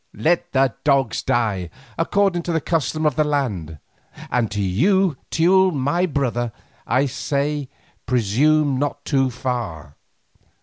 Let the dogs die according to the custom of the land, and to you, Teule my brother, I say presume not too far."